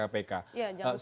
ya jangan sampai